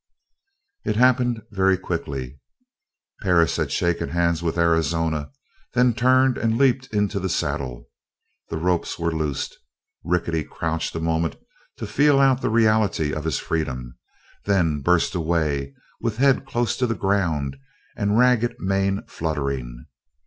It happened very quickly. Perris had shaken hands with Arizona, then turned and leaped into the saddle. The ropes were loosed. Rickety crouched a moment to feel out the reality of his freedom, then burst away with head close to the ground and ragged mane fluttering.